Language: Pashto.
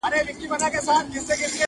درد هېڅکله بشپړ نه ختمېږي تل,